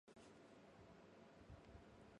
清水健好正，羨慕女優